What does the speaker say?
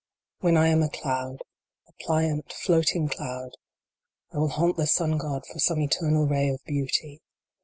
When I am a cloud a pliant, floating cloud I will haunt the Sun God for some eternal ray of Beauty.